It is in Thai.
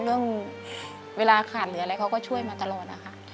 เรื่องเวลาขาดเหลืออะไรเขาก็ช่วยมาตลอดนะคะ